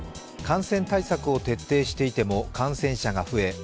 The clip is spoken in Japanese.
感染対策を徹底していても感染者が増え